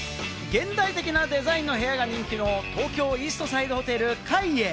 現代的なデザインが人気の東京イーストサイドホテル櫂会。